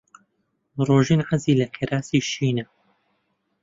ڕۆژین حەزی لە کراسی شینە.